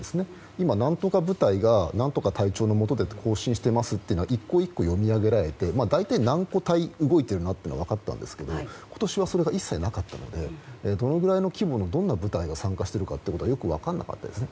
今、何とか部隊が何とか隊長のもとで更新していますと１個１個読み上げられて大体、何個隊動いているなというのが分かったんですが今年はそれが一切なかったのでどれぐらいの規模のどの隊が参加しているかは分からなかったんですね。